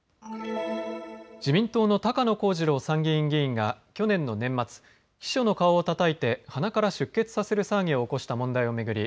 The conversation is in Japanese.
自民党の高野光二郎参議院議員が去年の年末、秘書の顔をたたいて鼻から出血させる騒ぎを起こした問題を巡り